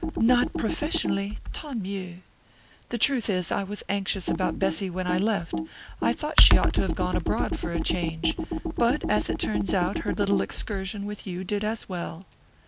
"Not professionally? Tant mieux! The truth is, I was anxious about Bessy when I left I thought she ought to have gone abroad for a change. But, as it turns out, her little excursion with you did as well."